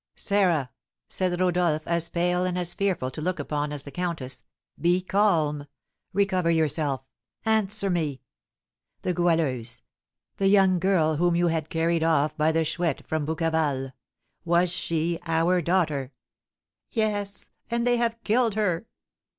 "Sarah!" said Rodolph, as pale and as fearful to look upon as the countess; "be calm, recover yourself, answer me! The Goualeuse, the young girl whom you had carried off by the Chouette from Bouqueval, was she our daughter?" "Yes. And they have killed her!"